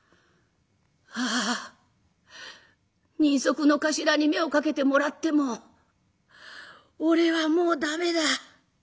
「はあ人足の頭に目をかけてもらっても俺はもう駄目だ。